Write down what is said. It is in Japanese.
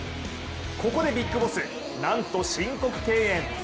ここでビッグボス、なんと申告敬遠。